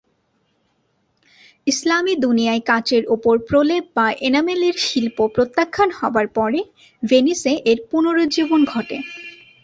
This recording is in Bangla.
ইসলামী দুনিয়ায় কাচের উপর প্রলেপ বা এনামেল এর শিল্প প্রত্যাখ্যান হবার পরে ভেনিসে এর পুনরুজ্জীবন ঘটে।